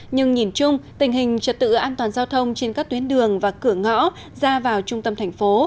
nhưng nhìn chung tình hình trật tự an toàn giao thông trên các tuyến đường và cửa ngõ ra vào trung tâm thành phố